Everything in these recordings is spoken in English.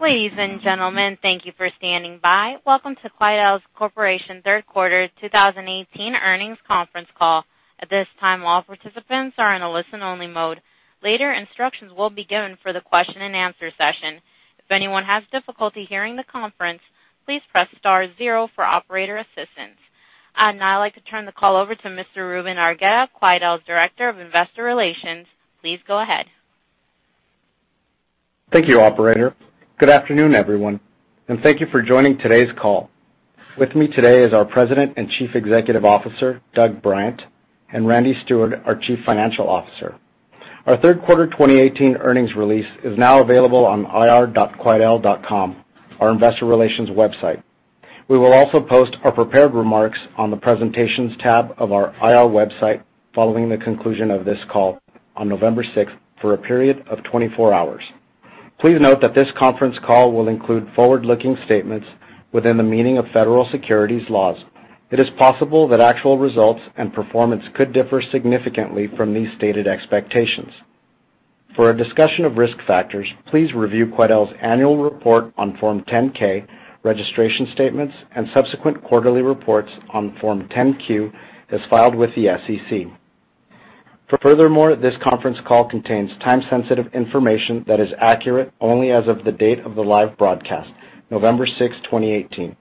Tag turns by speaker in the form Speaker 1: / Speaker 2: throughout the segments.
Speaker 1: Ladies and gentlemen, thank you for standing by. Welcome to Quidel Corporation Third Quarter 2018 Earnings Conference Call. At this time, all participants are in a listen-only mode. Later, instructions will be given for the question and answer session. If anyone has difficulty hearing the conference, please press star zero for operator assistance. I'd now like to turn the call over to Mr. Ruben Argueta, Quidel's Director of Investor Relations. Please go ahead.
Speaker 2: Thank you, Operator. Good afternoon, everyone, and thank you for joining today's call. With me today is our President and Chief Executive Officer, Doug Bryant, and Randy Steward, our Chief Financial Officer. Our third quarter 2018 earnings release is now available on ir.quidel.com, our Investor Relations website. We will also post our prepared remarks on the presentations tab of our IR website following the conclusion of this call on November 6th for a period of 24 hours. Please note that this conference call will include forward-looking statements within the meaning of federal securities laws. It is possible that actual results and performance could differ significantly from these stated expectations. For a discussion of risk factors, please review Quidel's annual report on Form 10-K, registration statements, and subsequent quarterly reports on Form 10-Q, as filed with the SEC. Furthermore, this conference call contains time-sensitive information that is accurate only as of the date of the live broadcast, November 6, 2018.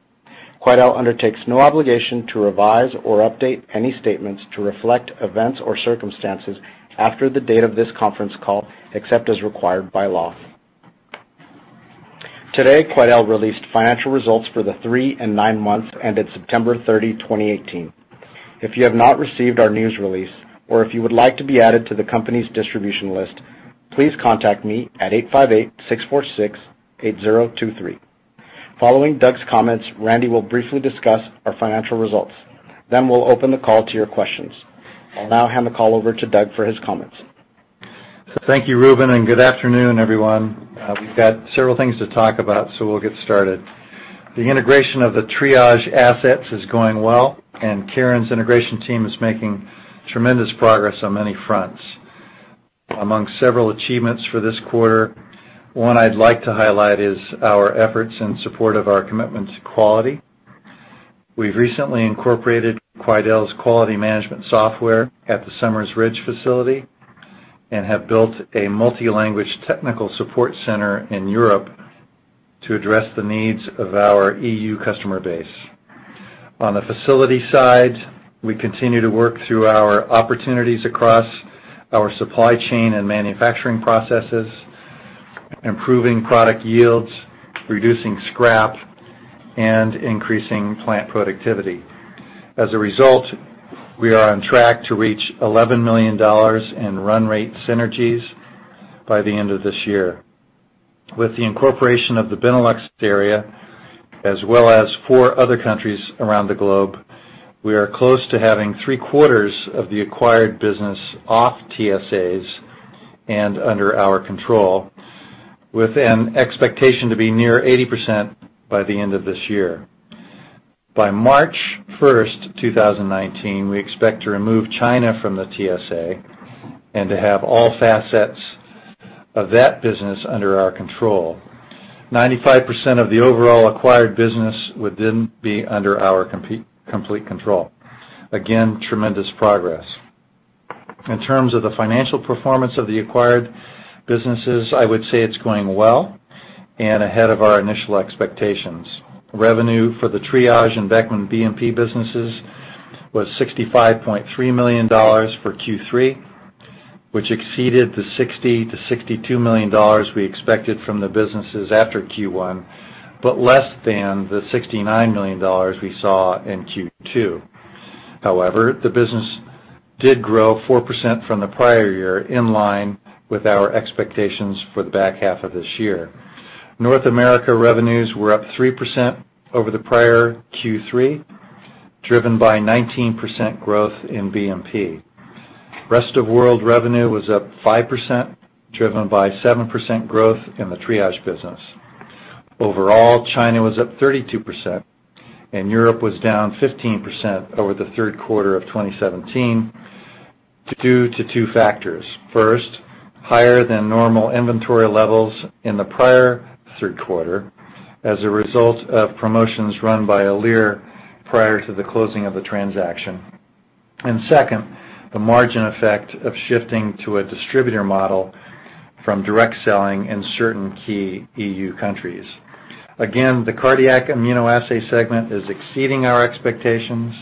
Speaker 2: Quidel undertakes no obligation to revise or update any statements to reflect events or circumstances after the date of this conference call, except as required by law. Today, Quidel released financial results for the three and nine months ended September 30, 2018. If you have not received our news release or if you would like to be added to the company's distribution list, please contact me at 858-646-8023. Following Doug's comments, Randy will briefly discuss our financial results. Then we'll open the call to your questions. I'll now hand the call over to Doug for his comments.
Speaker 3: Thank you, Ruben, and good afternoon, everyone. We've got several things to talk about, so we'll get started. The integration of the Triage assets is going well, and Karen's integration team is making tremendous progress on many fronts. Among several achievements for this quarter, one I'd like to highlight is our efforts in support of our commitment to quality. We've recently incorporated Quidel's quality management software at the Summers Ridge facility and have built a multi-language technical support center in Europe to address the needs of our E.U. customer base. On the facility side, we continue to work through our opportunities across our supply chain and manufacturing processes, improving product yields, reducing scrap, and increasing plant productivity. As a result, we are on track to reach $11 million in run rate synergies by the end of this year. With the incorporation of the Benelux area, as well as four other countries around the globe, we are close to having three-quarters of the acquired business off TSAs and under our control, with an expectation to be near 80% by the end of this year. By March 1st, 2019, we expect to remove China from the TSA and to have all facets of that business under our control. 95% of the overall acquired business will then be under our complete control. Again, tremendous progress. In terms of the financial performance of the acquired businesses, I would say it's going well and ahead of our initial expectations. Revenue for the Triage and Beckman BNP businesses was $65.3 million for Q3, which exceeded the $60 million-$62 million we expected from the businesses after Q1, but less than the $69 million we saw in Q2. The business did grow 4% from the prior year, in line with our expectations for the back half of this year. North America revenues were up 3% over the prior Q3, driven by 19% growth in BNP. Rest of World revenue was up 5%, driven by 7% growth in the Triage business. Overall, China was up 32% and Europe was down 15% over the third quarter of 2017 due to two factors. First, higher than normal inventory levels in the prior third quarter as a result of promotions run by Alere prior to the closing of the transaction. Second, the margin effect of shifting to a distributor model from direct selling in certain key E.U. countries. Again, the Cardiac Immunoassay segment is exceeding our expectations,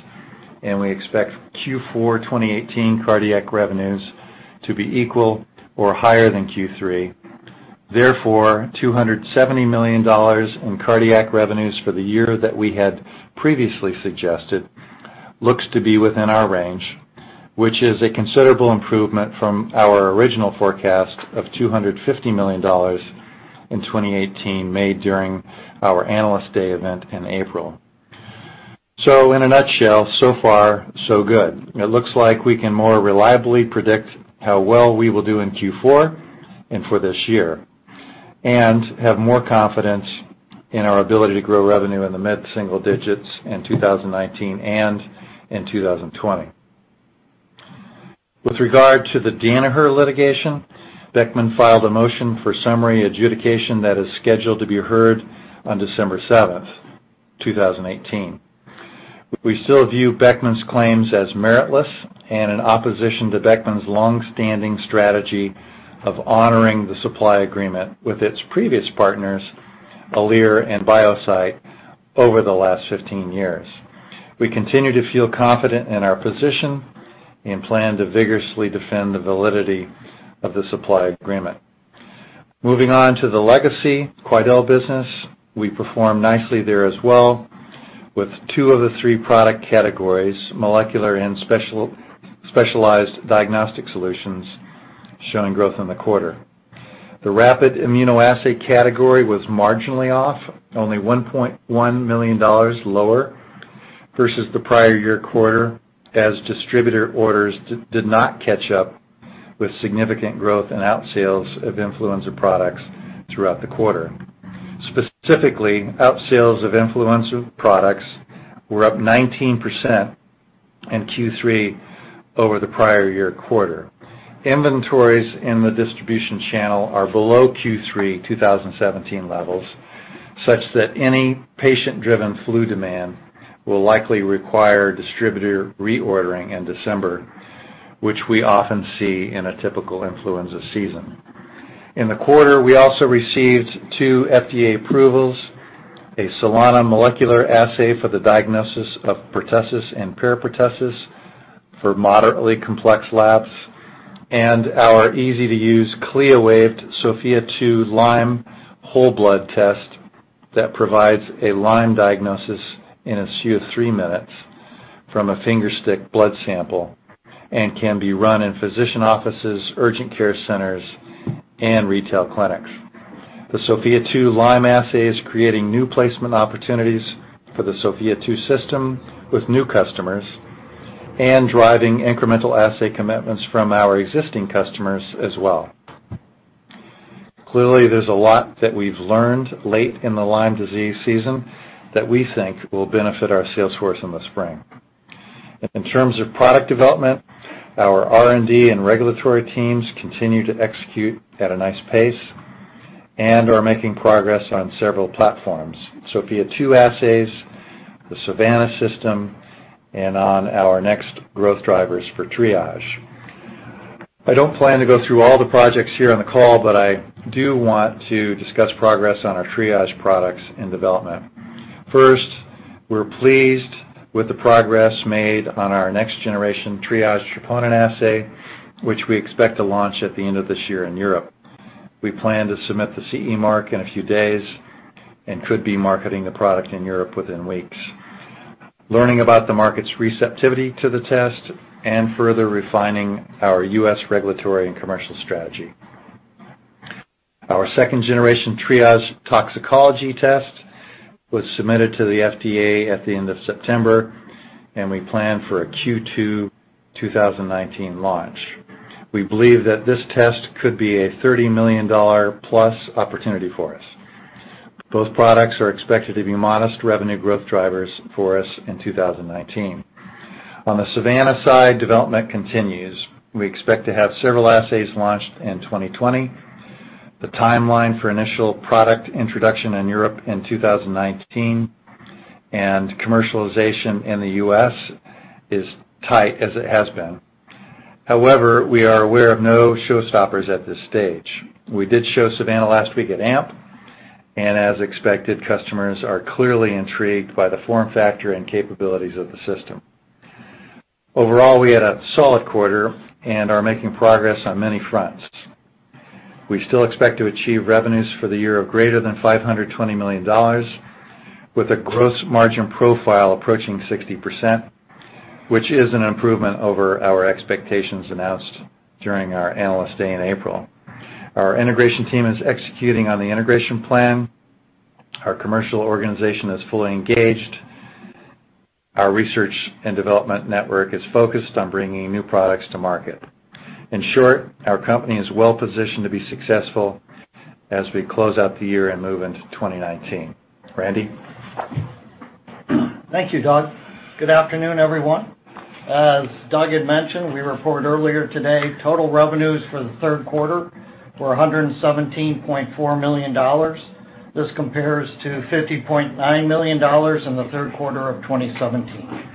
Speaker 3: and we expect Q4 2018 Cardiac revenues to be equal to or higher than Q3. $270 million in Cardiac revenues for the year that we had previously suggested looks to be within our range, which is a considerable improvement from our original forecast of $250 million in 2018 made during our Analyst Day event in April. In a nutshell, so far, so good. It looks like we can more reliably predict how well we will do in Q4 and for this year, and have more confidence in our ability to grow revenue in the mid-single digits in 2019 and in 2020. With regard to the Danaher litigation, Beckman filed a motion for summary adjudication that is scheduled to be heard on December 7th, 2018. We still view Beckman's claims as meritless and in opposition to Beckman's long-standing strategy of honoring the supply agreement with its previous partners, Alere and Biosite, over the last 15 years. We continue to feel confident in our position and plan to vigorously defend the validity of the supply agreement. Moving on to the legacy Quidel business. We performed nicely there as well, with two of the three product categories, Molecular and Specialized Diagnostic Solutions, showing growth in the quarter. The Rapid Immunoassay category was marginally off, only $1.1 million lower versus the prior year quarter, as distributor orders did not catch up with significant growth in out sales of influenza products throughout the quarter. Specifically, out sales of influenza products were up 19% in Q3 over the prior year quarter. Inventories in the distribution channel are below Q3 2017 levels, such that any patient-driven flu demand will likely require distributor reordering in December, which we often see in a typical influenza season. In the quarter, we also received two FDA approvals, a Solana molecular assay for the diagnosis of pertussis and parapertussis for moderately complex labs, and our easy-to-use CLIA-waived Sofia 2 Lyme whole blood test that provides a Lyme diagnosis in as few as three minutes from a finger stick blood sample and can be run in physician offices, urgent care centers, and retail clinics. The Sofia 2 Lyme assay is creating new placement opportunities for the Sofia 2 system with new customers and driving incremental assay commitments from our existing customers as well. Clearly, there's a lot that we've learned late in the Lyme disease season that we think will benefit our sales force in the spring. In terms of product development, our R&D and regulatory teams continue to execute at a nice pace and are making progress on several platforms, Sofia 2 assays, the Savanna system, and on our next growth drivers for Triage. I don't plan to go through all the projects here on the call, but I do want to discuss progress on our Triage products in development. First, we're pleased with the progress made on our next-generation Triage troponin assay, which we expect to launch at the end of this year in Europe. We plan to submit to CE mark in a few days and could be marketing the product in Europe within weeks, learning about the market's receptivity to the test and further refining our U.S. regulatory and commercial strategy. Our second-generation Triage toxicology test was submitted to the FDA at the end of September, and we plan for a Q2 2019 launch. We believe that this test could be a $+30 million opportunity for us. Both products are expected to be modest revenue growth drivers for us in 2019. On the Savanna side, development continues. We expect to have several assays launched in 2020. The timeline for initial product introduction in Europe in 2019 and commercialization in the U.S. is tight, as it has been. However, we are aware of no showstoppers at this stage. We did show Savanna last week at AMP, and as expected, customers are clearly intrigued by the form factor and capabilities of the system. Overall, we had a solid quarter and are making progress on many fronts. We still expect to achieve revenues for the year of greater than $520 million, with a gross margin profile approaching 60%, which is an improvement over our expectations announced during our Analyst Day in April. Our integration team is executing on the integration plan. Our commercial organization is fully engaged. Our Research & Development network is focused on bringing new products to market. In short, our company is well-positioned to be successful as we close out the year and move into 2019. Randy?
Speaker 4: Thank you, Doug. Good afternoon, everyone. As Doug had mentioned, we reported earlier today total revenues for the third quarter were $117.4 million. This compares to $50.9 million in the third quarter of 2017.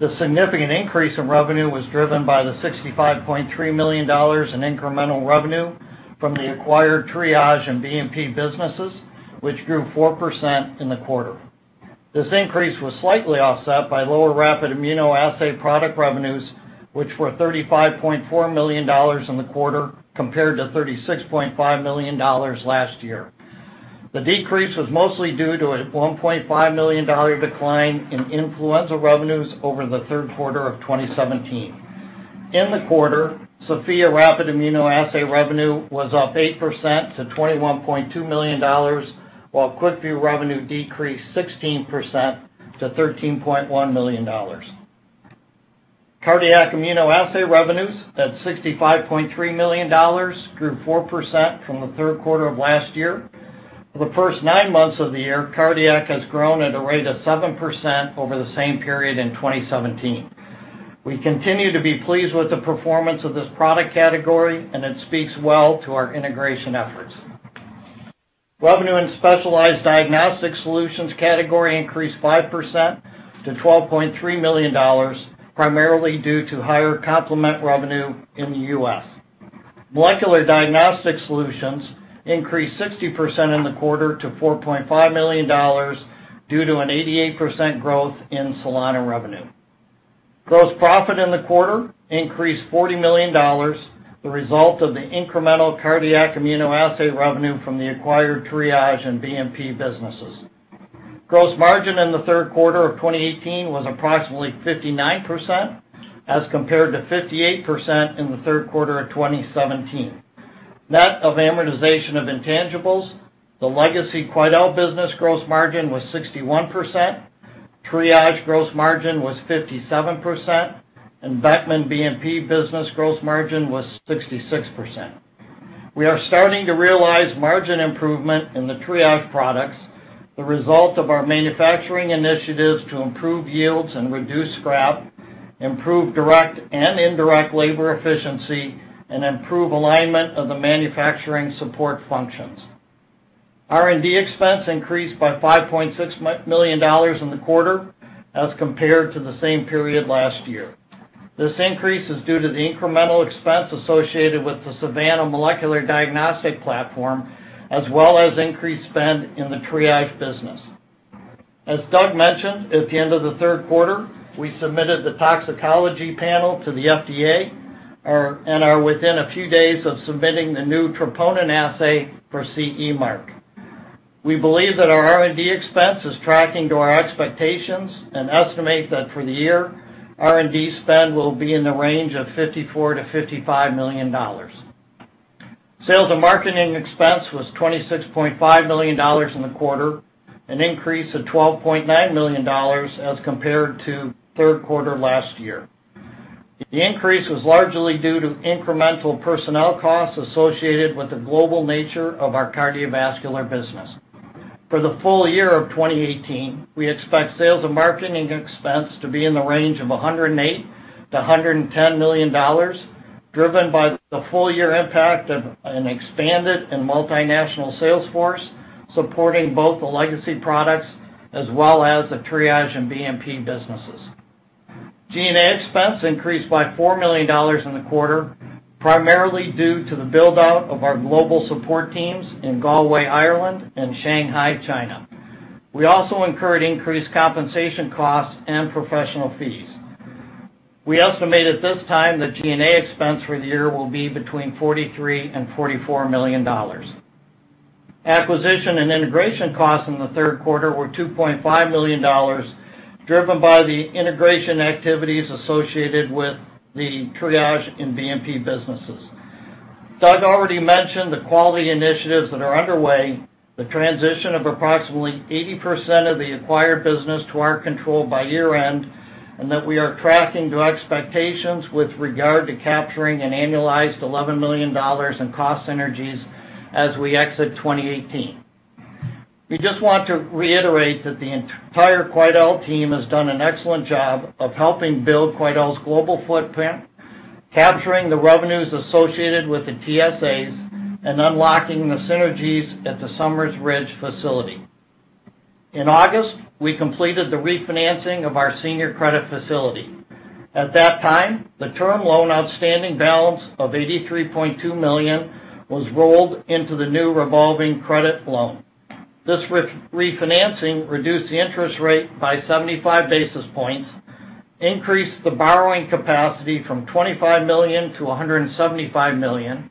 Speaker 4: The significant increase in revenue was driven by the $65.3 million in incremental revenue from the acquired Triage and BNP businesses, which grew 4% in the quarter. This increase was slightly offset by lower Rapid Immunoassay product revenues, which were $35.4 million in the quarter compared to $36.5 million last year. The decrease was mostly due to a $1.5 million decline in influenza revenues over the third quarter of 2017. In the quarter, Sofia Rapid Immunoassay revenue was up 8% to $21.2 million, while QuickVue revenue decreased 16% to $13.1 million. Cardiac Immunoassay revenues, at $65.3 million, grew 4% from the third quarter of last year. For the first nine months of the year, Cardiac has grown at a rate of 7% over the same period in 2017. We continue to be pleased with the performance of this product category, and it speaks well to our integration efforts. Revenue in Specialized Diagnostic Solutions category increased 5% to $12.3 million, primarily due to higher complement revenue in the U.S. Molecular Diagnostic Solutions increased 60% in the quarter to $4.5 million due to an 88% growth in Solana revenue. Gross profit in the quarter increased $40 million, the result of the incremental Cardiac Immunoassay revenue from the acquired Triage and BNP businesses. Gross margin in the third quarter of 2018 was approximately 59%, as compared to 58% in the third quarter of 2017. Net of amortization of intangibles, the legacy Quidel business gross margin was 61%, Triage gross margin was 57%, and Beckman BNP business gross margin was 66%. We are starting to realize margin improvement in the Triage products, the result of our manufacturing initiatives to improve yields and reduce scrap, improve direct and indirect labor efficiency, and improve alignment of the manufacturing support functions. R&D expense increased by $5.6 million in the quarter as compared to the same period last year. This increase is due to the incremental expense associated with the Savanna Molecular Diagnostic platform, as well as increased spend in the Triage business. As Doug mentioned, at the end of the third quarter, we submitted the toxicology panel to the FDA and are within a few days of submitting the new troponin assay for CE mark. We believe that our R&D expense is tracking to our expectations and estimate that for the year, R&D spend will be in the range of $54 million-$55 million. Sales and marketing expense was $26.5 million in the quarter, an increase of $12.9 million as compared to third quarter last year. The increase was largely due to incremental personnel costs associated with the global nature of our cardiovascular business. For the full year of 2018, we expect sales and marketing expense to be in the range of $108 million-$110 million, driven by the full year impact of an expanded and multinational sales force supporting both the legacy products as well as the Triage and BNP businesses. G&A expense increased by $4 million in the quarter, primarily due to the build-out of our global support teams in Galway, Ireland and Shanghai, China. We also incurred increased compensation costs and professional fees. We estimate at this time that G&A expense for the year will be between $43 million and $44 million. Acquisition and integration costs in the third quarter were $2.5 million, driven by the integration activities associated with the Triage and BNP businesses. Doug already mentioned the quality initiatives that are underway, the transition of approximately 80% of the acquired business to our control by year-end, and that we are tracking to expectations with regard to capturing an annualized $11 million in cost synergies as we exit 2018. We just want to reiterate that the entire Quidel team has done an excellent job of helping build Quidel's global footprint, capturing the revenues associated with the TSAs, and unlocking the synergies at the Summers Ridge facility. In August, we completed the refinancing of our senior credit facility. At that time, the term loan outstanding balance of $83.2 million was rolled into the new revolving credit loan. This refinancing reduced the interest rate by 75 basis points, increased the borrowing capacity from $25 million-$175 million,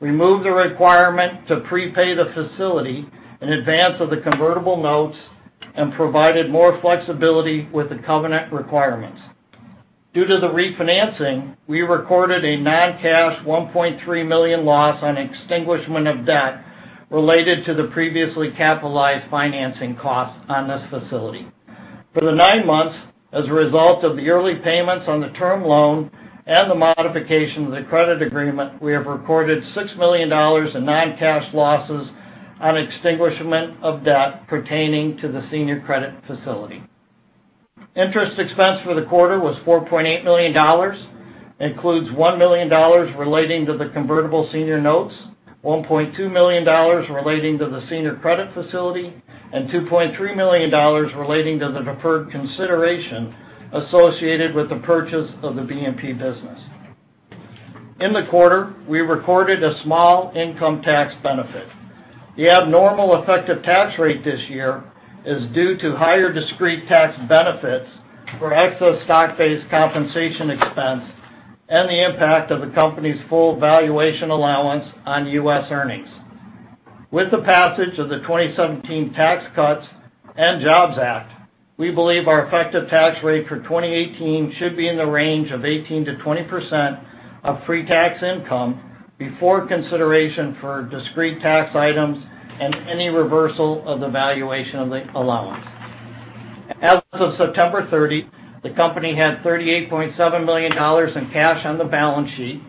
Speaker 4: removed the requirement to prepay the facility in advance of the convertible notes, and provided more flexibility with the covenant requirements. Due to the refinancing, we recorded a non-cash $1.3 million loss on extinguishment of debt related to the previously capitalized financing costs on this facility. For the nine months, as a result of the early payments on the term loan and the modification of the credit agreement, we have recorded $6 million in non-cash losses on extinguishment of debt pertaining to the senior credit facility. Interest expense for the quarter was $4.8 million, includes $1 million relating to the convertible senior notes, $1.2 million relating to the senior credit facility, and $2.3 million relating to the deferred consideration associated with the purchase of the BNP business. In the quarter, we recorded a small income tax benefit. The abnormal effective tax rate this year is due to higher discrete tax benefits for excess stock-based compensation expense and the impact of the company's full valuation allowance on U.S. earnings. With the passage of the 2017 Tax Cuts and Jobs Act, we believe our effective tax rate for 2018 should be in the range of 18%-20% of free tax income before consideration for discrete tax items and any reversal of the valuation allowance. As of September 30, the company had $38.7 million in cash on the balance sheet,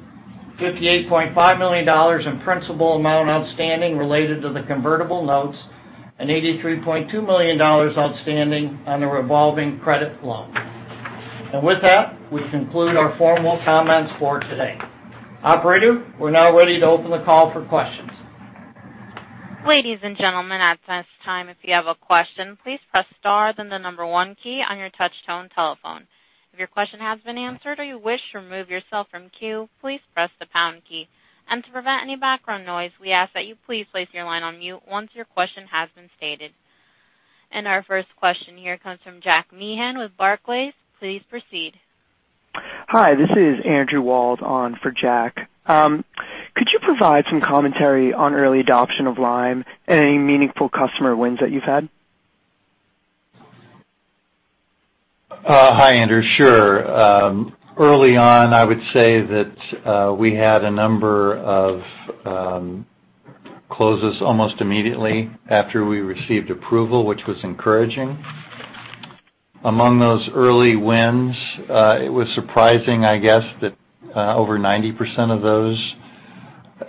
Speaker 4: $58.5 million in principal amount outstanding related to the convertible notes, and $83.2 million outstanding on the revolving credit loan. With that, we conclude our formal comments for today. Operator, we're now ready to open the call for questions.
Speaker 1: Ladies and gentlemen, at this time, if you have a question, please press star then the number one key on your touch tone telephone. If your question has been answered or you wish to remove yourself from queue, please press the pound key. To prevent any background noise, we ask that you please place your line on mute once your question has been stated. Our first question here comes from Jack Meehan with Barclays. Please proceed.
Speaker 5: Hi, this is Andrew Wald on for Jack. Could you provide some commentary on early adoption of Lyme? And any meaningful customer wins that you've had?
Speaker 3: Hi, Andrew. Sure. Early on, I would say that we had a number of closes almost immediately after we received approval, which was encouraging. Among those early wins, it was surprising, I guess, that over 90% of those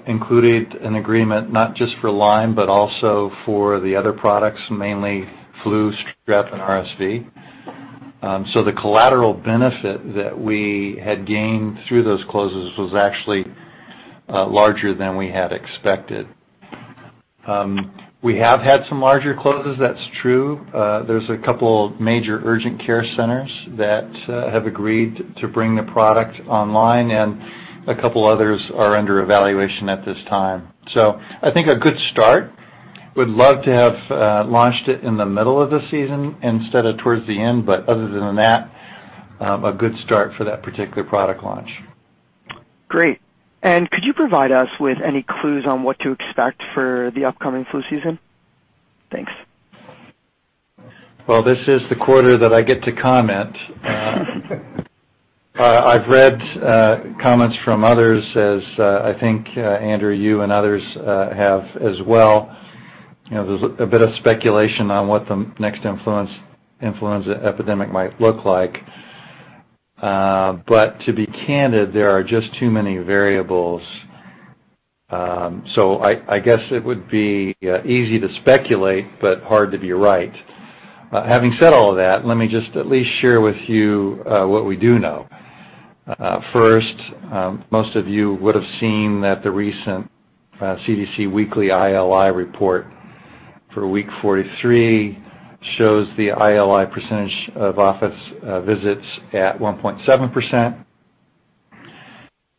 Speaker 3: included an agreement not just for Lyme, but also for the other products, mainly flu, strep, and RSV. The collateral benefit that we had gained through those closes was actually larger than we had expected. We have had some larger closes, that's true. There's a couple major urgent care centers that have agreed to bring the product online, and a couple others are under evaluation at this time. I think a good start. Would love to have launched it in the middle of the season instead of towards the end, other than that, a good start for that particular product launch.
Speaker 5: Great. Could you provide us with any clues on what to expect for the upcoming flu season? Thanks.
Speaker 3: This is the quarter that I get to comment. I've read comments from others as, I think, Andrew, you and others have as well. There's a bit of speculation on what the next influenza epidemic might look like. To be candid, there are just too many variables. I guess it would be easy to speculate, but hard to be right. Having said all of that, let me just at least share with you what we do know. First, most of you would have seen that the recent CDC weekly ILI report for week 43 shows the ILI percentage of office visits at 1.7%.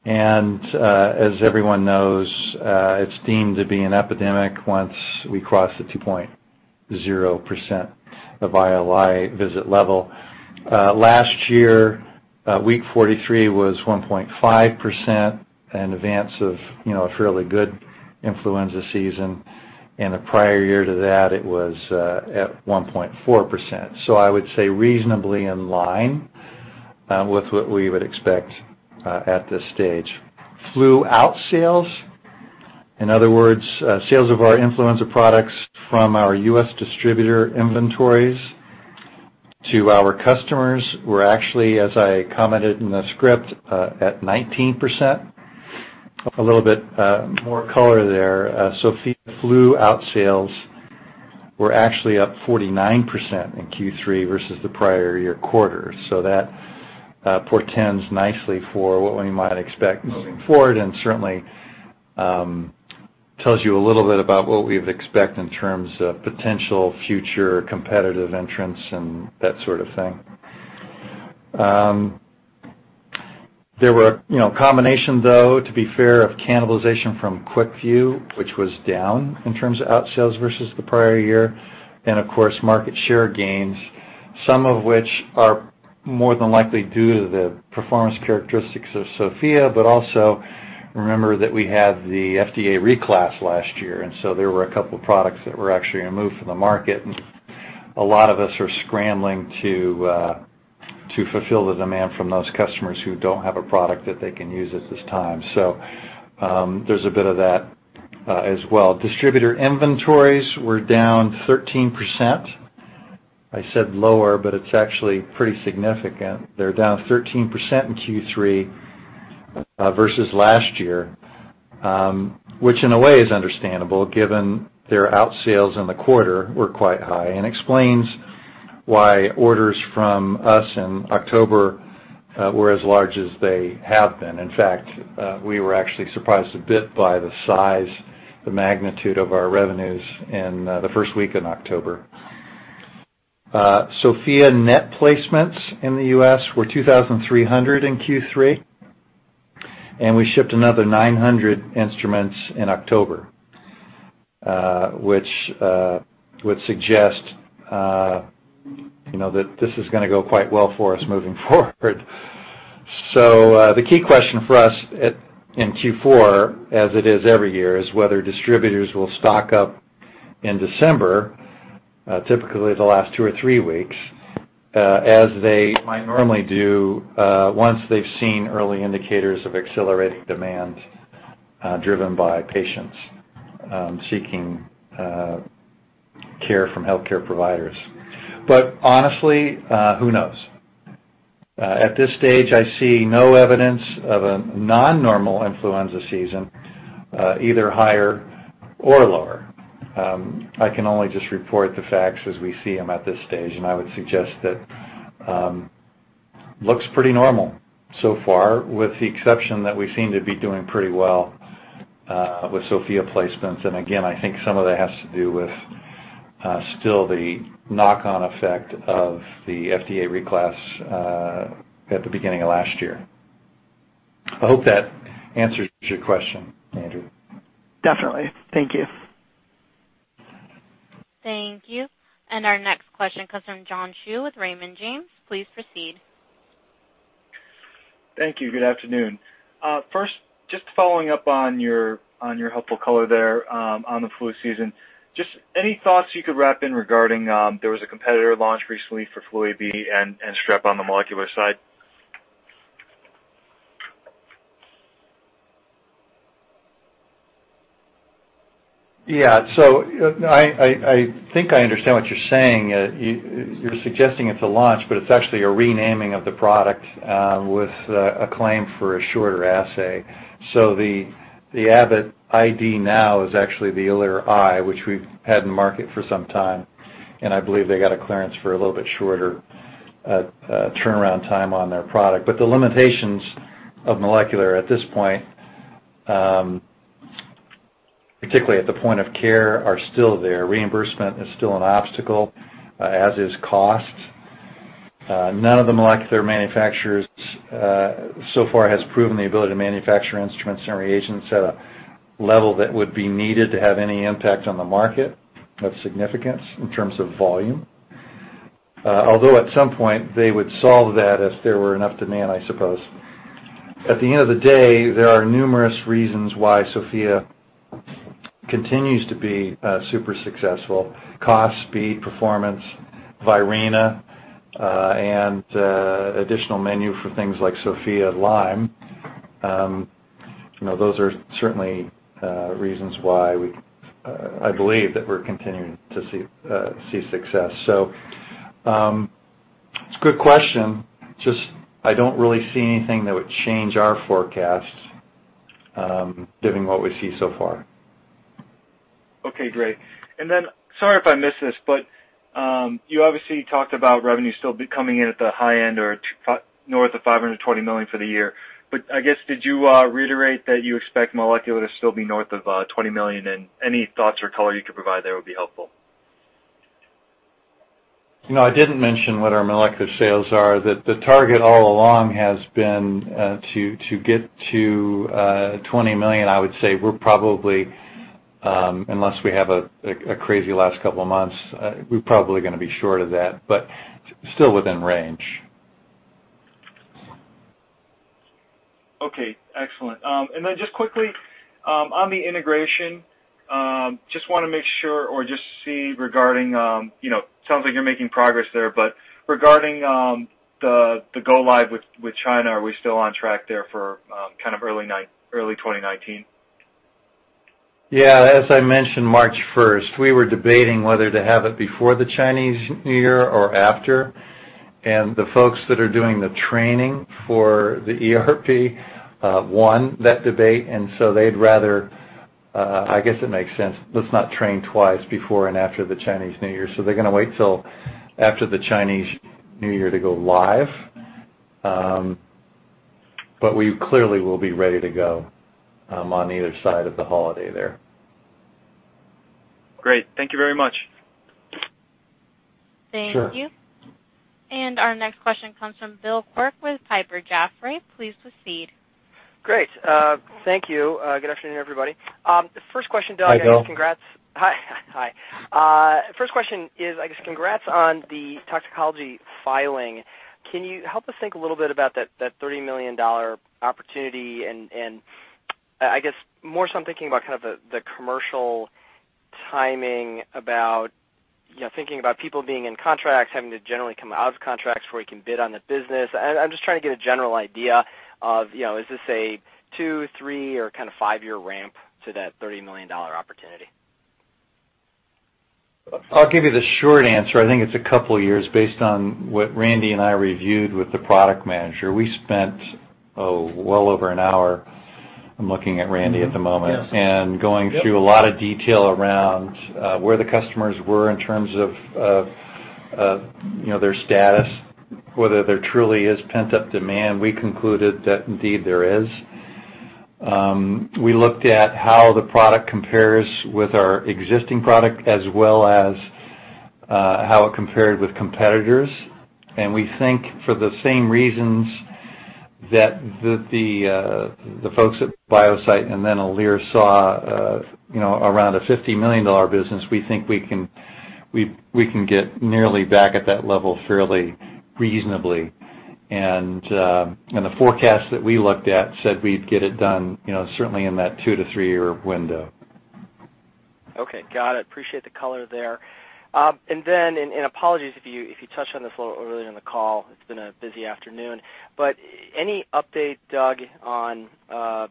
Speaker 3: As everyone knows, it's deemed to be an epidemic once we cross the 2.0% of ILI visit level. Last year, week 43 was 1.5% in advance of a fairly good influenza season, and the prior year to that, it was at 1.4%. I would say reasonably in line with what we would expect at this stage. Flu out sales, in other words, sales of our influenza products from our U.S. distributor inventories to our customers were actually, as I commented in the script, at 19%. A little bit more color there. Sofia flu out sales were actually up 49% in Q3 versus the prior year quarter. That portends nicely for what we might expect moving forward and certainly tells you a little bit about what we would expect in terms of potential future competitive entrants and that sort of thing. There were a combination, though, to be fair, of cannibalization from QuickVue, which was down in terms of out sales versus the prior year, and of course, market share gains, some of which are more than likely due to the performance characteristics of Sofia, but also remember that we had the FDA reclass last year, and so there were a couple products that were actually removed from the market. A lot of us are scrambling to fulfill the demand from those customers who don't have a product that they can use at this time. There's a bit of that as well. Distributor inventories were down 13%. I said lower, but it's actually pretty significant. They're down 13% in Q3 versus last year, which in a way is understandable given their out sales in the quarter were quite high and explains why orders from us in October were as large as they have been. In fact, we were actually surprised a bit by the size, the magnitude of our revenues in the first week of October. Sofia net placements in the U.S. were 2,300 in Q3, and we shipped another 900 instruments in October, which would suggest that this is going to go quite well for us moving forward. The key question for us in Q4, as it is every year, is whether distributors will stock up in December, typically the last two or three weeks, as they might normally do once they've seen early indicators of accelerating demand driven by patients seeking care from healthcare providers. Honestly, who knows? At this stage, I see no evidence of a non-normal influenza season, either higher or lower. I can only just report the facts as we see them at this stage, and I would suggest that looks pretty normal so far, with the exception that we seem to be doing pretty well with Sofia placements. Again, I think some of that has to do with still the knock-on effect of the FDA reclass at the beginning of last year. I hope that answers your question, Andrew.
Speaker 5: Definitely. Thank you.
Speaker 1: Thank you. Our next question comes from John Hsu with Raymond James. Please proceed.
Speaker 6: Thank you. Good afternoon. First, just following up on your helpful color there on the flu season, just any thoughts you could wrap in regarding, there was a competitor launch recently for flu A/B and Strep on the molecular side?
Speaker 3: I think I understand what you're saying. You're suggesting it's a launch, but it's actually a renaming of the product with a claim for a shorter assay. The Abbott ID NOW is actually the Alere i, which we've had in the market for some time, and I believe they got a clearance for a little bit shorter turnaround time on their product. The limitations of molecular at this point, particularly at the point-of-care, are still there. Reimbursement is still an obstacle, as is cost. None of the molecular manufacturers so far has proven the ability to manufacture instruments and reagents at a level that would be needed to have any impact on the market of significance in terms of volume. Although, at some point, they would solve that if there were enough demand, I suppose. At the end of the day, there are numerous reasons why Sofia continues to be super successful: cost, speed, performance, Virena, and additional menu for things like Sofia Lyme. Those are certainly reasons why I believe that we're continuing to see success. It's a good question, just I don't really see anything that would change our forecast given what we see so far.
Speaker 6: Okay, great. Sorry if I missed this, you obviously talked about revenue still coming in at the high end or north of $520 million for the year. I guess, did you reiterate that you expect molecular to still be north of $20 million? Any thoughts or color you could provide there would be helpful.
Speaker 3: I didn't mention what our molecular sales are. The target all along has been to get to $20 million. I would say we're probably, unless we have a crazy last couple of months, we're probably going to be short of that, but still within range.
Speaker 6: Okay, excellent. Just quickly, on the integration, just want to make sure or just see regarding, sounds like you're making progress there, but regarding the go live with China. Are we still on track there for early 2019?
Speaker 3: Yeah. As I mentioned, March 1st. We were debating whether to have it before the Chinese New Year or after, the folks that are doing the training for the ERP won that debate, they'd rather, I guess it makes sense, let's not train twice before and after the Chinese New Year. They're going to wait till after the Chinese New Year to go live. We clearly will be ready to go on either side of the holiday there.
Speaker 6: Great. Thank you very much.
Speaker 3: Sure.
Speaker 1: Thank you. Our next question comes from Bill Quirk with Piper Jaffray. Please proceed.
Speaker 7: Great. Thank you. Good afternoon, everybody. First question, Doug.
Speaker 3: Hi, Bill.
Speaker 7: Congrats. Hi. First question is, I guess, congrats on the toxicology filing. Can you help us think a little bit about that $30 million opportunity and, I guess, more so I'm thinking about the commercial timing about thinking about people being in contracts, having to generally come out of contracts before you can bid on the business. I'm just trying to get a general idea of, is this a two, three, or five-year ramp to that $30 million opportunity?
Speaker 3: I'll give you the short answer. I think it's a couple of years based on what Randy and I reviewed with the product manager. We spent well over an hour. I'm looking at Randy at the moment. Yes, going through a lot of detail around where the customers were in terms of their status, whether there truly is pent-up demand. We concluded that indeed there is. We looked at how the product compares with our existing product as well as how it compared with competitors. We think for the same reasons that the folks at Biosite and then Alere saw around a $50 million business. We think we can get nearly back at that level fairly reasonably. The forecast that we looked at said we'd get it done certainly in that two to three-year window.
Speaker 7: Okay. Got it. Appreciate the color there. Apologies if you touched on this a little earlier in the call, it's been a busy afternoon, but any update, Doug, on the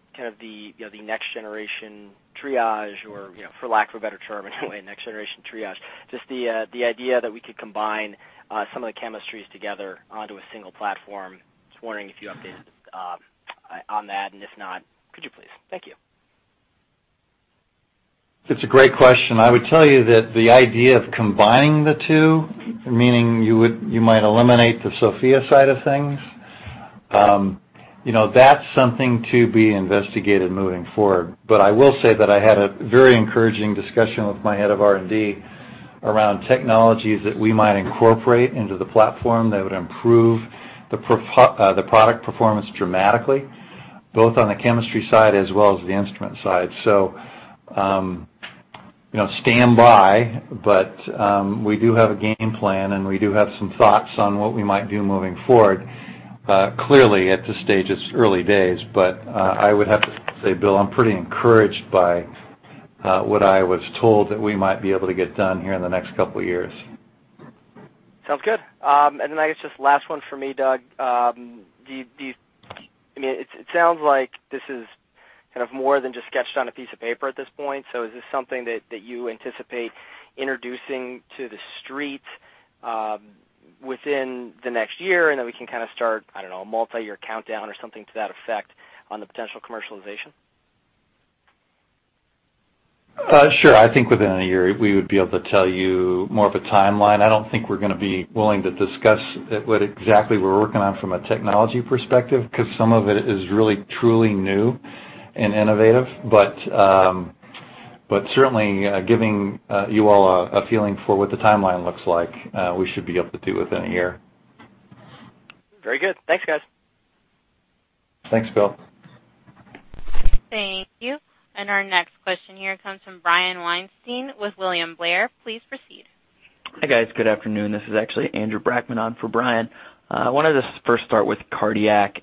Speaker 7: next generation Triage, or for lack of a better term anyway, next generation Triage. Just the idea that we could combine some of the chemistries together onto a single platform. Just wondering if you updated on that, and if not, could you please? Thank you.
Speaker 3: It's a great question. I would tell you that the idea of combining the two, meaning you might eliminate the Sofia side of things, that's something to be investigated moving forward. I will say that I had a very encouraging discussion with my Head of R&D around technologies that we might incorporate into the platform that would improve the product performance dramatically, both on the chemistry side as well as the instrument side. Stand by, we do have a game plan and we do have some thoughts on what we might do moving forward. Clearly, at this stage, it's early days, I would have to say, Bill, I'm pretty encouraged by what I was told that we might be able to get done here in the next couple of years.
Speaker 7: Sounds good. I guess just last one for me, Doug. It sounds like this is more than just sketched on a piece of paper at this point. Is this something that you anticipate introducing to the street within the next year, and then we can start, I don't know, a multi-year countdown or something to that effect on the potential commercialization?
Speaker 3: Sure. I think within a year we would be able to tell you more of a timeline. I don't think we're going to be willing to discuss what exactly we're working on from a technology perspective, because some of it is really truly new and innovative. Certainly giving you all a feeling for what the timeline looks like, we should be able to do within a year.
Speaker 7: Very good. Thanks, guys.
Speaker 3: Thanks, Bill.
Speaker 1: Thank you. Our next question here comes from Brian Weinstein with William Blair. Please proceed.
Speaker 8: Hi, guys. Good afternoon. This is actually Andrew Brackmann on for Brian. I wanted to first start with Cardiac.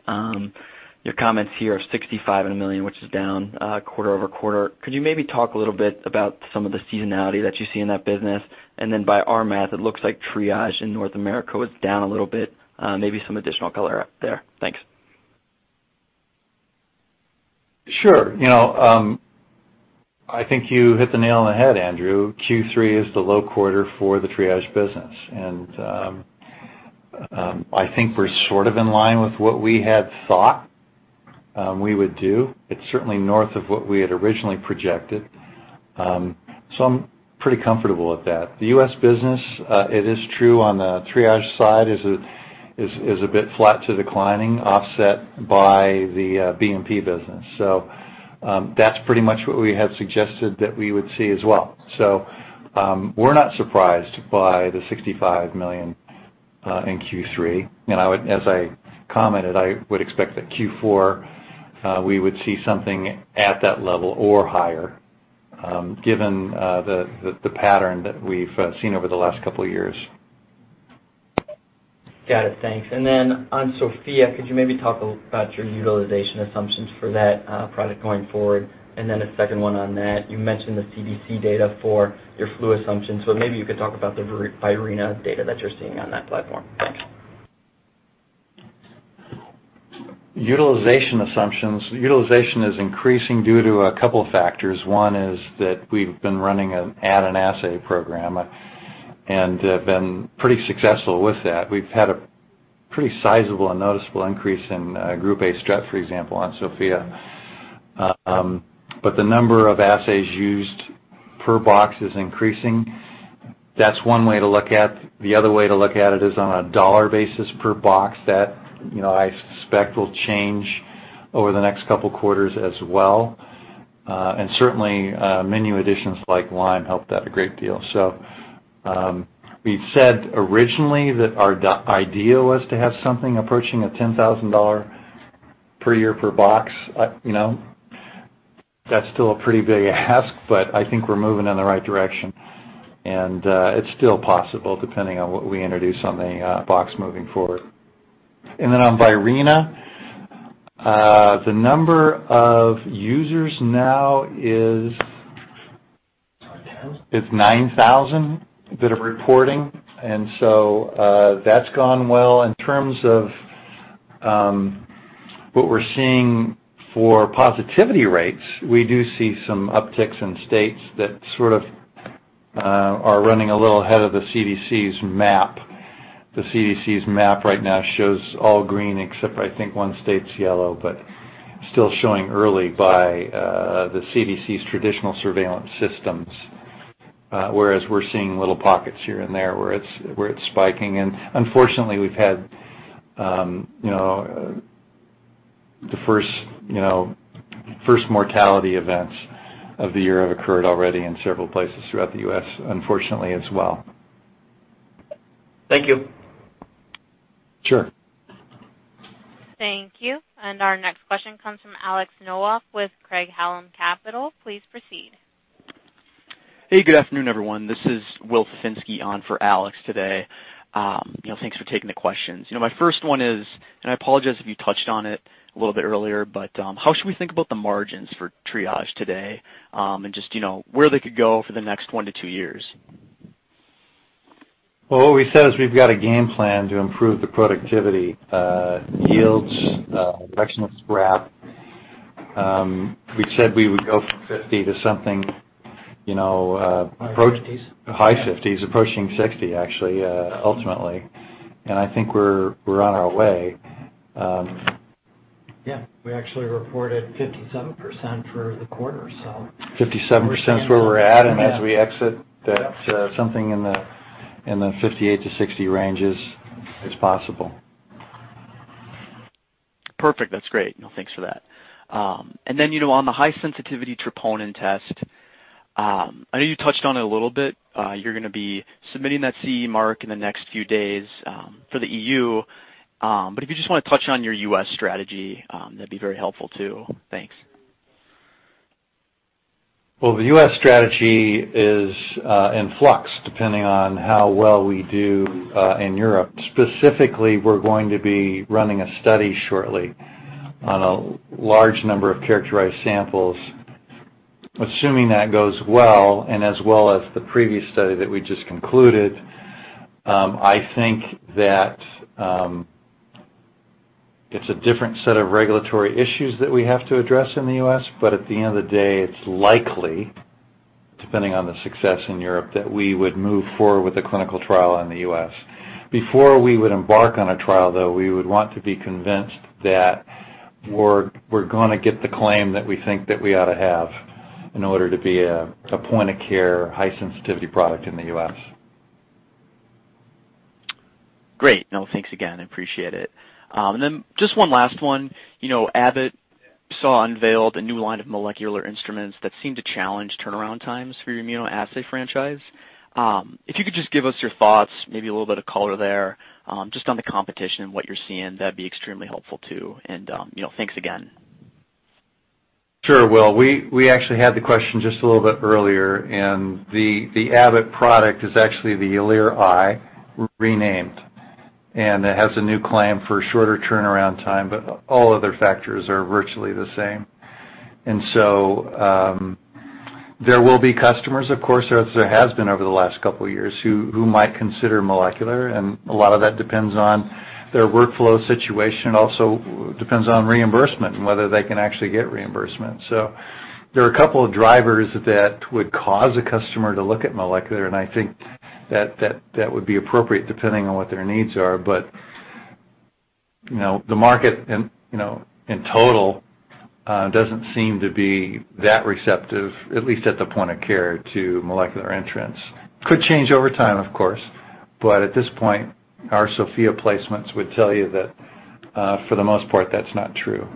Speaker 8: Your comments here are $65 million, which is down quarter-over-quarter. Could you maybe talk a little bit about some of the seasonality that you see in that business? Then by our math, it looks like Triage in North America was down a little bit. Maybe some additional color there? Thanks.
Speaker 3: Sure. I think you hit the nail on the head, Andrew. Q3 is the low quarter for the Triage business. I think we're sort of in line with what we had thought we would do. It's certainly north of what we had originally projected. I'm pretty comfortable with that. The U.S. business, it is true on the Triage side, is a bit flat to declining, offset by the BNP business. That's pretty much what we had suggested that we would see as well. We're not surprised by the $65 million in Q3. As I commented, I would expect that Q4, we would see something at that level or higher, given the pattern that we've seen over the last couple of years.
Speaker 8: Got it. Thanks. On Sofia, could you maybe talk about your utilization assumptions for that product going forward? A second one on that, you mentioned the CDC data for your flu assumptions, maybe you could talk about the Virena data that you're seeing on that platform. Thanks.
Speaker 3: Utilization assumptions. Utilization is increasing due to a couple factors. One is that we've been running an Add an Assay program and have been pretty successful with that. We've had a pretty sizable and noticeable increase in Group A Strep, for example, on Sofia. The number of assays used per box is increasing. That's one way to look at. The other way to look at it is on a dollar basis per box. That, I suspect, will change over the next couple quarters as well. Certainly, menu additions like Lyme helped that a great deal. We've said originally that our idea was to have something approaching a $10,000 per year per box. That's still a pretty big ask, but I think we're moving in the right direction, and it's still possible depending on what we introduce on the box moving forward. On Virena, the number of users now is, it's 9,000 a bit of reporting. That's gone well. In terms of what we're seeing for positivity rates, we do see some upticks in states that sort of are running a little ahead of the CDC's map. The CDC's map right now shows all green except I think one state's yellow, but still showing early by the CDC's traditional surveillance systems. Whereas we're seeing little pockets here and there where it's spiking, and unfortunately, we've had the first mortality events of the year have occurred already in several places throughout the U.S., unfortunately, as well.
Speaker 8: Thank you.
Speaker 3: Sure.
Speaker 1: Thank you. Our next question comes from Alex Nowak with Craig-Hallum Capital. Please proceed.
Speaker 9: Hey, good afternoon, everyone. This is Will Fafinski on for Alex today. Thanks for taking the questions. My first one is, and I apologize if you touched on it a little bit earlier, but how should we think about the margins for Triage today? Just where they could go for the next one to two years?
Speaker 3: Well, what we said is we've got a game plan to improve the productivity yields, directional scrap. We said we would go from 50% to something-
Speaker 4: High 50s.
Speaker 3: High 50s, approaching 60%, actually, ultimately. I think we're on our way.
Speaker 4: Yeah. We actually reported 57% for the quarter, so.
Speaker 3: 57% is where we're at, and as we exit, that's something in the 58%-60% ranges is possible.
Speaker 9: Perfect. That's great. Thanks for that. On the high-sensitivity troponin test, I know you touched on it a little bit. You're going to be submitting that CE mark in the next few days for the E.U. If you just want to touch on your U.S. strategy, that'd be very helpful too? Thanks.
Speaker 3: Well, the U.S. strategy is in flux depending on how well we do in Europe. Specifically, we're going to be running a study shortly on a large number of characterized samples. Assuming that goes well, and as well as the previous study that we just concluded, I think that it's a different set of regulatory issues that we have to address in the U.S., at the end of the day, it's likely, depending on the success in Europe, that we would move forward with a clinical trial in the U.S. Before we would embark on a trial, though, we would want to be convinced that we're going to get the claim that we think that we ought to have in order to be a point-of-care, high-sensitivity product in the U.S.
Speaker 9: Great. Thanks again. I appreciate it. Just one last one. Abbott unveiled a new line of molecular instruments that seem to challenge turnaround times for your immunoassay franchise. If you could just give us your thoughts, maybe a little bit of color there, just on the competition and what you're seeing, that'd be extremely helpful too? Thanks again.
Speaker 3: Sure. Well, we actually had the question just a little bit earlier. The Abbott product is actually the Alere i renamed. It has a new claim for shorter turnaround time, but all other factors are virtually the same. There will be customers, of course, as there has been over the last couple of years, who might consider molecular. A lot of that depends on their workflow situation. Also depends on reimbursement and whether they can actually get reimbursement. There are a couple of drivers that would cause a customer to look at molecular, and I think that would be appropriate depending on what their needs are. The market in total doesn't seem to be that receptive, at least at the point-of-care, to molecular entrants. Could change over time, of course, at this point, our Sofia placements would tell you that, for the most part, that's not true.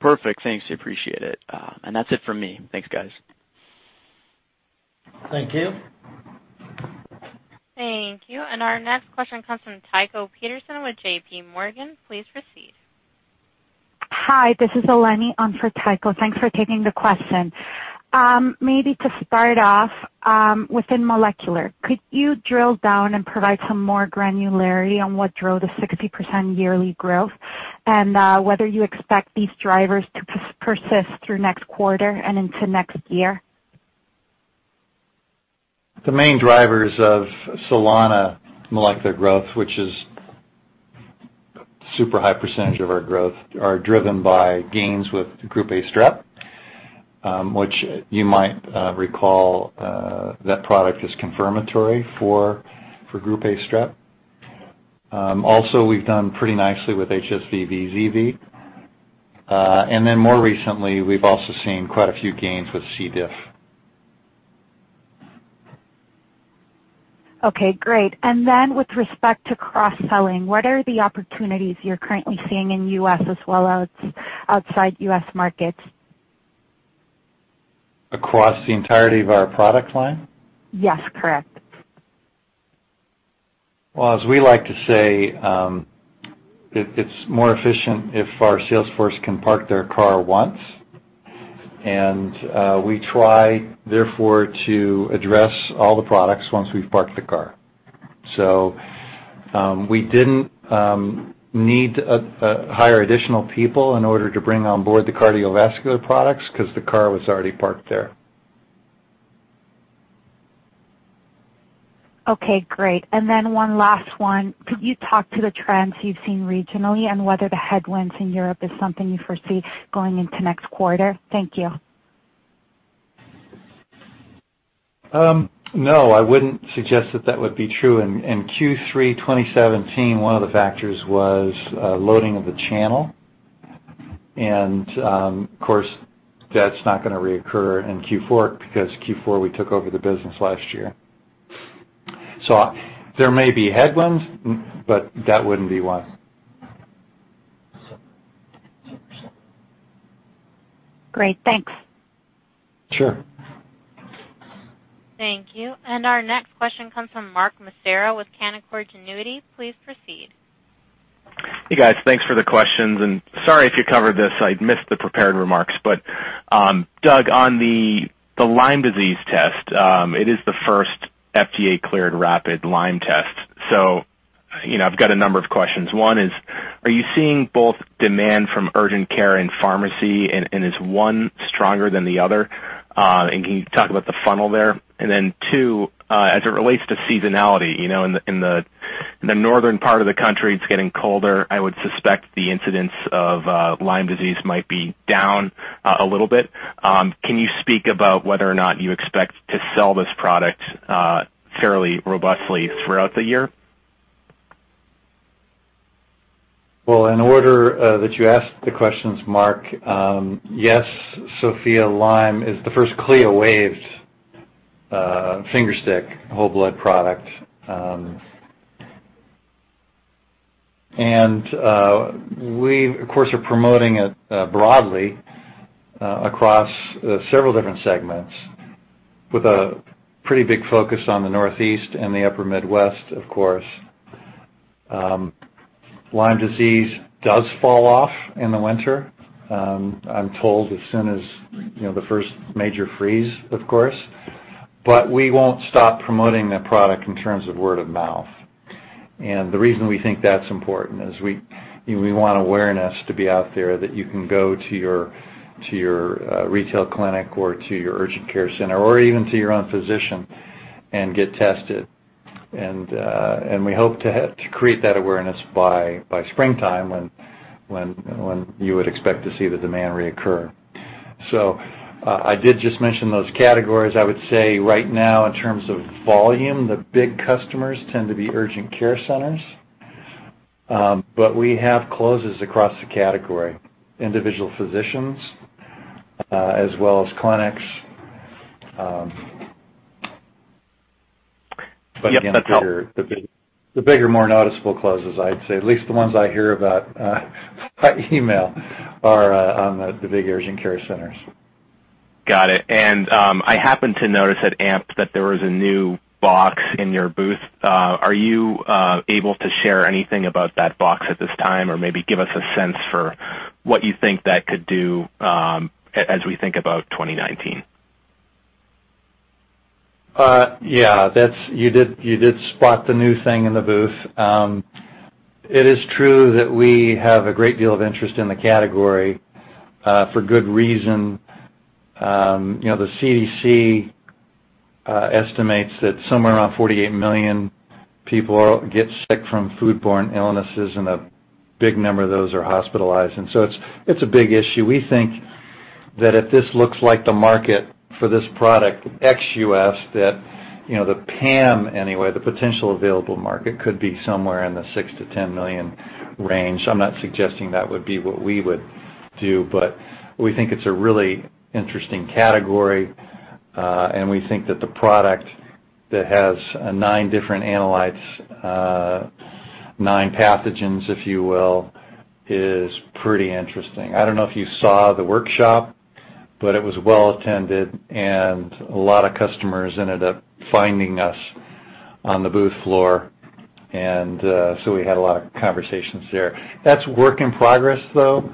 Speaker 9: Perfect. Thanks. I appreciate it. That's it for me. Thanks, guys.
Speaker 4: Thank you.
Speaker 1: Thank you. Our next question comes from Tycho Peterson with JPMorgan. Please proceed.
Speaker 10: Hi, this is Eleni on for Tycho. Thanks for taking the question. Maybe to start off, within molecular, could you drill down and provide some more granularity on what drove the 60% yearly growth and whether you expect these drivers to persist through next quarter and into next year?
Speaker 3: The main drivers of Solana molecular growth, which is super high percentage of our growth, are driven by gains with Group A Strep, which you might recall, that product is confirmatory for Group A Strep. Also, we've done pretty nicely with HSV/VZV, then more recently, we've also seen quite a few gains with C. diff.
Speaker 10: Okay, great. With respect to cross-selling, what are the opportunities you're currently seeing in U.S. as well as outside U.S. markets?
Speaker 3: Across the entirety of our product line?
Speaker 10: Yes, correct.
Speaker 3: Well, as we like to say, it's more efficient if our sales force can park their car once. We try, therefore, to address all the products once we've parked the car. We didn't need to hire additional people in order to bring on board the cardiovascular products because the car was already parked there.
Speaker 10: Okay, great. One last one. Could you talk to the trends you've seen regionally and whether the headwinds in Europe is something you foresee going into next quarter? Thank you.
Speaker 3: No, I wouldn't suggest that that would be true. In Q3 2017, one of the factors was loading of the channel. Of course, that's not going to reoccur in Q4 because Q4 we took over the business last year. There may be headwinds, but that wouldn't be one.
Speaker 10: Great. Thanks.
Speaker 3: Sure.
Speaker 1: Thank you. Our next question comes from Mark Massaro with Canaccord Genuity. Please proceed.
Speaker 11: Hey, guys. Thanks for the questions, and sorry if you covered this. I missed the prepared remarks. Doug, on the Lyme disease test, it is the first FDA-cleared rapid Lyme test. I've got a number of questions. One is, are you seeing both demand from urgent care and pharmacy, and is one stronger than the other? Can you talk about the funnel there? Then two, as it relates to seasonality, in the northern part of the country, it's getting colder. I would suspect the incidence of Lyme disease might be down a little bit. Can you speak about whether or not you expect to sell this product fairly robustly throughout the year?
Speaker 3: In order that you asked the questions, Mark, yes, Sofia Lyme is the first CLIA-waived finger stick whole blood product. We, of course, are promoting it broadly across several different segments with a pretty big focus on the Northeast and the upper Midwest, of course. Lyme disease does fall off in the winter. I'm told as soon as the first major freeze, of course. We won't stop promoting the product in terms of word of mouth. The reason we think that's important is we want awareness to be out there that you can go to your retail clinic or to your urgent care center, or even to your own physician and get tested. We hope to create that awareness by springtime when you would expect to see the demand reoccur. I did just mention those categories. I would say right now, in terms of volume, the big customers tend to be urgent care centers. We have closes across the category, individual physicians, as well as clinics.
Speaker 11: Yep, that helps.
Speaker 3: The bigger, more noticeable closes, I'd say, at least the ones I hear about by email, are the big urgent care centers.
Speaker 11: Got it. I happened to notice at AMP that there was a new box in your booth. Are you able to share anything about that box at this time? Maybe give us a sense for what you think that could do as we think about 2019.
Speaker 3: Yeah. You did spot the new thing in the booth. It is true that we have a great deal of interest in the category, for good reason. The CDC estimates that somewhere around 48 million people get sick from foodborne illnesses, and a big number of those are hospitalized. It's a big issue. We think that if this looks like the market for this product ex-U.S., that the PAM, anyway, the potential available market, could be somewhere in the six million-10 million range. I'm not suggesting that would be what we would do, but we think it's a really interesting category. We think that the product that has nine different analytes, nine pathogens, if you will, is pretty interesting. I don't know if you saw the workshop, but it was well-attended and a lot of customers ended up finding us on the booth floor, and so we had a lot of conversations there. That's work in progress, though,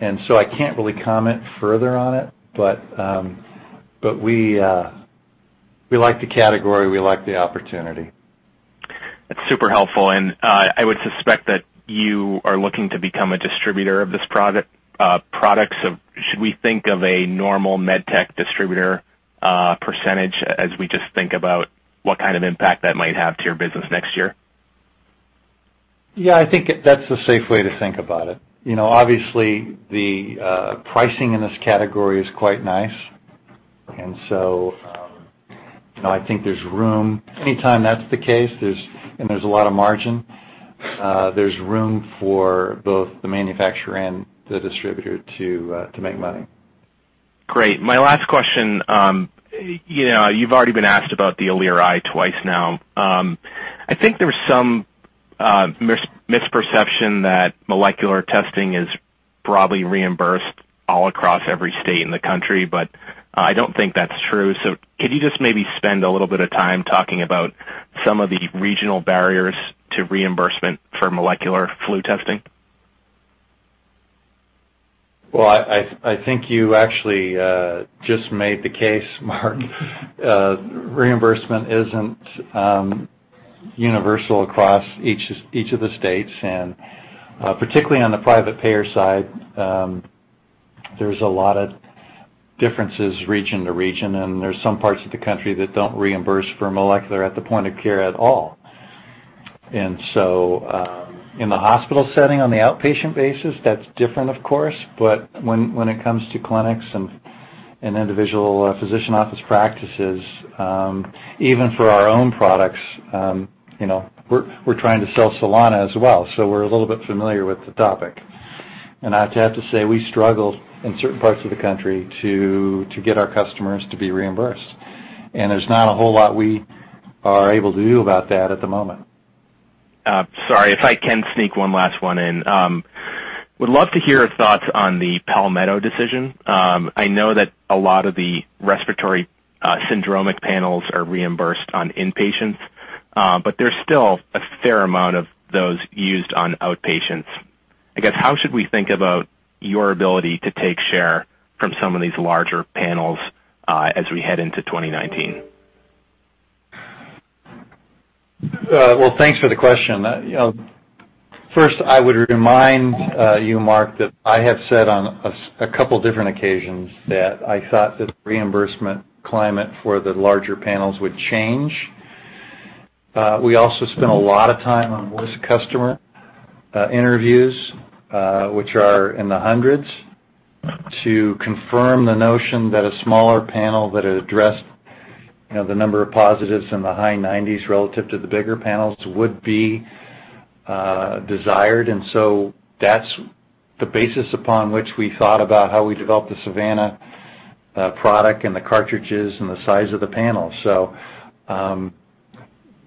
Speaker 3: and so I can't really comment further on it. We like the category. We like the opportunity.
Speaker 11: That's super helpful. I would suspect that you are looking to become a distributor of this product. Should we think of a normal med tech distributor percentage as we just think about what kind of impact that might have to your business next year?
Speaker 3: I think that's the safe way to think about it. Obviously, the pricing in this category is quite nice. I think there's room. Anytime that's the case, and there's a lot of margin, there's room for both the manufacturer and the distributor to make money.
Speaker 11: Great. My last question, you've already been asked about the Alere i twice now. I think there's some misperception that molecular testing is broadly reimbursed all across every state in the country, but I don't think that's true. Can you just maybe spend a little bit of time talking about some of the regional barriers to reimbursement for molecular flu testing?
Speaker 3: Well, I think you actually just made the case, Mark. Reimbursement isn't universal across each of the states, particularly on the private payer side, there's a lot of differences region to region, and there's some parts of the country that don't reimburse for molecular at the point-of-care at all. In the hospital setting, on the outpatient basis, that's different, of course. When it comes to clinics and individual physician office practices, even for our own products, we're trying to sell Solana as well, so we're a little bit familiar with the topic. I'd have to say, we struggle in certain parts of the country to get our customers to be reimbursed. There's not a whole lot we are able to do about that at the moment.
Speaker 11: Sorry, if I can sneak one last one in. Would love to hear your thoughts on the Palmetto decision. I know that a lot of the respiratory syndromic panels are reimbursed on inpatients, there's still a fair amount of those used on outpatients. I guess, how should we think about your ability to take share from some of these larger panels, as we head into 2019?
Speaker 3: Well, thanks for the question. First, I would remind you, Mark, that I have said on a couple of different occasions that I thought that the reimbursement climate for the larger panels would change. We also spent a lot of time on list customer interviews, which are in the hundreds, to confirm the notion that a smaller panel that had addressed the number of positives in the high 90s relative to the bigger panels would be desired. That's the basis upon which we thought about how we developed the Savanna product and the cartridges and the size of the panel.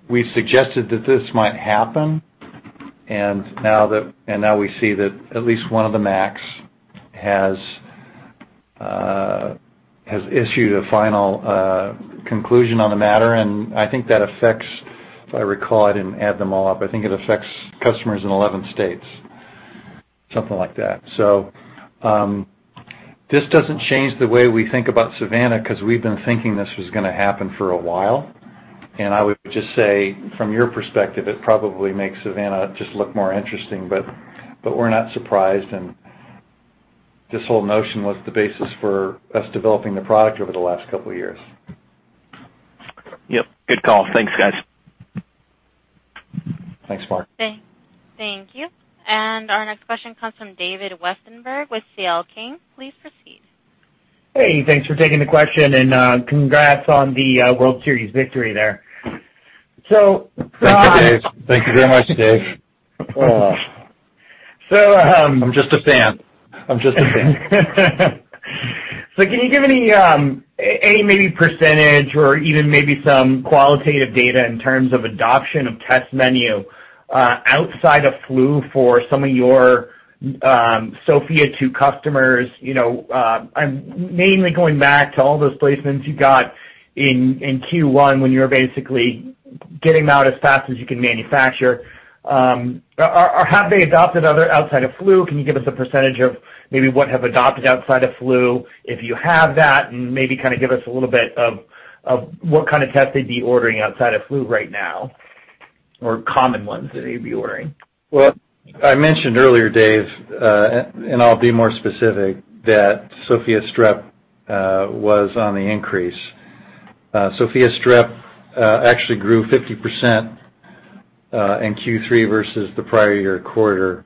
Speaker 3: We suggested that this might happen, now we see that at least one of the max has issued a final conclusion on the matter, I think that affects, if I recall, I didn't add them all up, I think it affects customers in 11 states, something like that. This doesn't change the way we think about Savanna because we've been thinking this was going to happen for a while. I would just say from your perspective, it probably makes Savanna just look more interesting, but we're not surprised. This whole notion was the basis for us developing the product over the last couple of years.
Speaker 11: Yep, good call. Thanks, guys.
Speaker 3: Thanks, Mark.
Speaker 1: Thank you. Our next question comes from David Westenberg with C.L. King. Please proceed.
Speaker 12: Hey, thanks for taking the question and congrats on the World Series victory there.
Speaker 3: Thank you, Dave. Thank you very much, Dave.
Speaker 12: So- I'm just a fan. I'm just a fan. Can you give any maybe percentage or even maybe some qualitative data in terms of adoption of test menu outside of flu for some of your Sofia 2 customers? I'm mainly going back to all those placements you got in Q1 when you were basically getting them out as fast as you can manufacture. Or have they adopted other outside of flu? Can you give us a percentage of maybe what have adopted outside of flu, if you have that, and maybe kind of give us a little bit of what kind of test they'd be ordering outside of flu right now, or common ones that they'd be ordering?
Speaker 3: Well, I mentioned earlier, Dave, I'll be more specific, that Sofia Strep was on the increase. Sofia Strep actually grew 50% in Q3 versus the prior year quarter.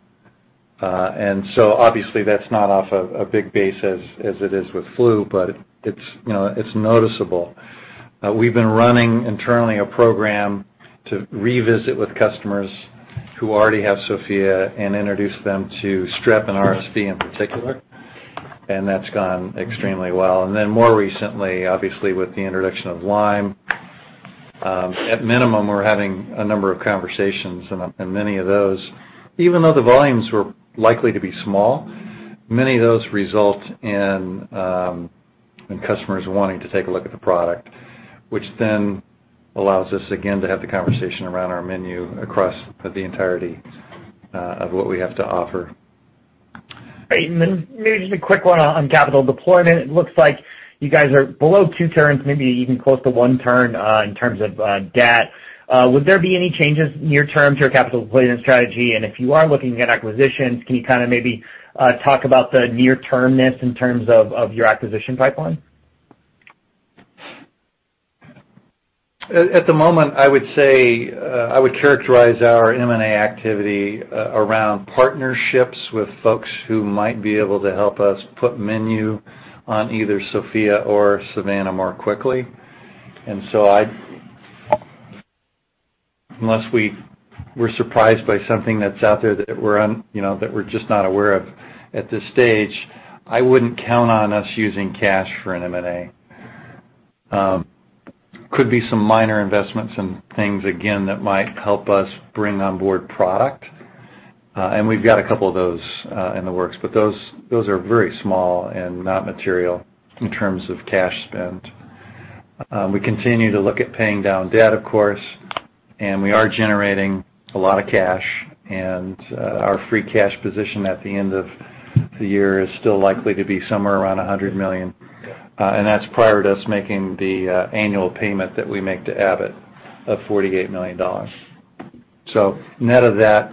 Speaker 3: Obviously that's not off of a big base as it is with flu, but it's noticeable. We've been running internally a program to revisit with customers who already have Sofia and introduce them to Strep and RSV in particular. That's gone extremely well. More recently, obviously with the introduction of Lyme, at minimum, we're having a number of conversations and many of those, even though the volumes were likely to be small, many of those result in customers wanting to take a look at the product, which then allows us again to have the conversation around our menu across the entirety of what we have to offer.
Speaker 12: Great. Maybe just a quick one on capital deployment. It looks like you guys are below two turns, maybe even close to one turn in terms of debt. Would there be any changes near term to your capital deployment strategy? If you are looking at acquisitions, can you kind of maybe talk about the near-term-ness in terms of your acquisition pipeline?
Speaker 3: At the moment, I would say, I would characterize our M&A activity around partnerships with folks who might be able to help us put menu on either Sofia or Savanna more quickly. Unless we were surprised by something that's out there that we're just not aware of at this stage, I wouldn't count on us using cash for an M&A. Could be some minor investments and things, again, that might help us bring on board product. We've got a couple of those in the works, but those are very small and not material in terms of cash spent. We continue to look at paying down debt, of course, we are generating a lot of cash, our free cash position at the end of the year is still likely to be somewhere around $100 million. That's prior to us making the annual payment that we make to Abbott of $48 million. Net of that,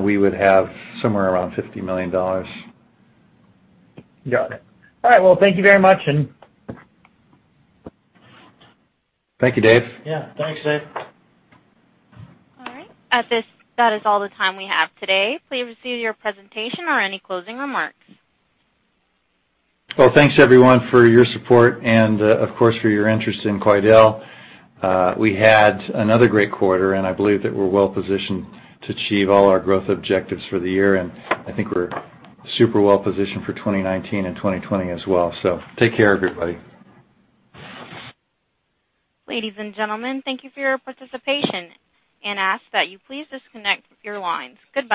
Speaker 3: we would have somewhere around $50 million.
Speaker 12: Got it. All right. Thank you very much.
Speaker 3: Thank you, Dave.
Speaker 4: Yeah. Thanks, Dave.
Speaker 1: All right. That is all the time we have today. Please proceed with your presentation or any closing remarks.
Speaker 3: Well, thanks everyone for your support and, of course, for your interest in Quidel. We had another great quarter, and I believe that we're well-positioned to achieve all our growth objectives for the year, and I think we're super well-positioned for 2019 and 2020 as well. Take care, everybody.
Speaker 1: Ladies and gentlemen, thank you for your participation, and ask that you please disconnect your lines. Goodbye.